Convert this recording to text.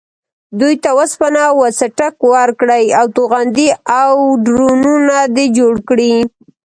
دوی ته وسپنه و څټک ورکړې او توغندي او ډرونونه دې جوړ کړي.